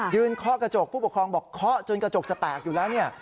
เคาะกระจกผู้ปกครองบอกเคาะจนกระจกจะแตกอยู่แล้วเนี่ย